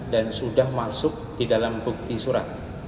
dan sudah masuk di dalam bukti surat